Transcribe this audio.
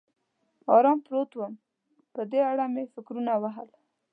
ارام پروت ووم، په دې اړه مې فکرونه وهل.